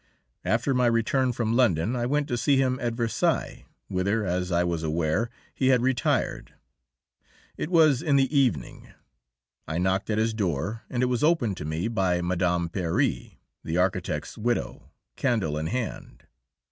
After my return from London I went to see him at Versailles, whither, as I was aware, he had retired. It was in the evening; I knocked at his door, and it was opened to me by Mme. Peyre, the architect's widow, candle in hand.